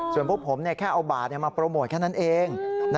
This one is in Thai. ส่วนพวกผมแค่เอาบาทมาโปรโมทแค่นั้นเอง